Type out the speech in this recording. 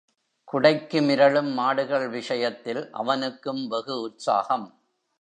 குடைக்கு மிரளும் மாடுகள் விஷயத்தில் அவனுக்கும் வெகு உற்சாகம்.